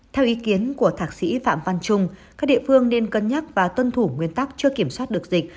theo ý kiến của thạc sĩ phạm văn trung các địa phương nên cân nhắc và tuân thủ nguyên tắc chưa kiểm soát được dịch